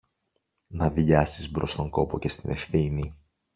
να δειλιάσεις μπρος στον κόπο και στην ευθύνη